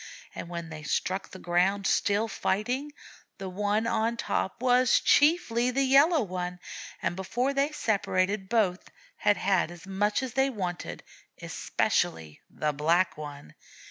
And when they struck the ground, still fighting, the one on top was chiefly the Yellow One; and before they separated both had had as much as they wanted, especially the Black One!